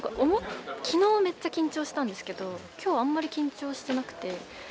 昨日めっちゃ緊張したんですけど今日あんまり緊張してなくて。